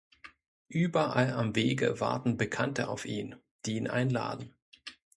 Überall am Wege warten Bekannte auf ihn, die ihn einladen.